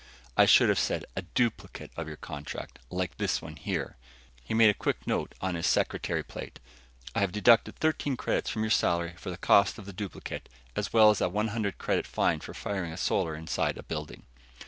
"I should have said a duplicate of your contract like this one here." He made a quick note on his secretary plate. "I have deducted 13 credits from your salary for the cost of the duplicate as well as a 100 credit fine for firing a Solar inside a building."